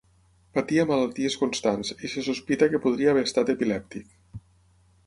Patia malalties constants i se sospita que podria haver estat epilèptic.